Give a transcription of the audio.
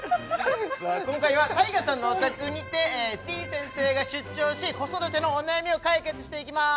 今回はＴＡＩＧＡさんのお宅にててぃ先生が出張し子育てのお悩みを解決していきます